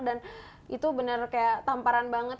dan itu benar kayak tamparan banget